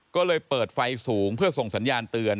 ก็เลยเปิดไฟสูงเพื่อส่งสัญญาณเตือน